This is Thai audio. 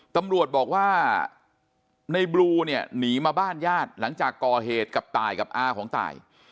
ตำรวจบอกว่าในบลูเนี่ยหนีมาบ้านญาติหลังจากก่อเหตุกับตายกับอาของตาย